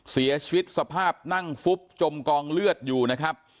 เสียชีวิตสภาพนั่งฟุบจมกองเลือดอยู่นะครับ